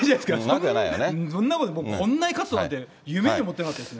そんなこと、こんなに勝つなんて夢にも思ってなかったですね。